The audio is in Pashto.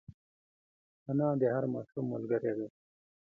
انا د هر ماشوم ملګرې ده